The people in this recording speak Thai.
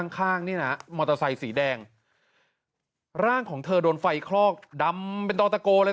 ข้างนี่นะมอเตอร์ไซสีแดงร่างของเธอโดนไฟคลอกดำเป็นต่อตะโกเลย